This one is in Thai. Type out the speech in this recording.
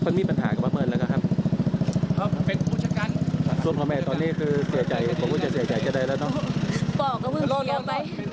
นี่อยู่บ้าง